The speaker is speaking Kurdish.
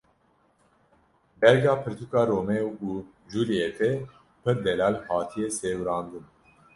Berga pirtûka Romeo û Julîetê pir delal hatiye sêwirandin.